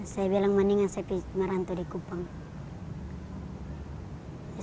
saya bilang mendingan saya merantau di kupang